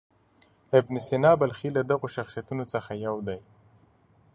ابن سینا بلخي له دغو شخصیتونو څخه یو دی.